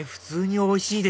おいしいね。